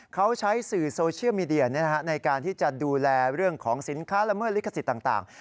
เขาใช้สื่อโซเชียลมีเดียในการที่จะดูแลเรื่องของสินค้าละเมิดลิขสิทธิ์ต่าง